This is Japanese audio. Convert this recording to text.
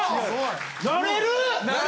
なれる！